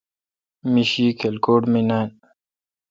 می شی کلکوٹ مے° نان۔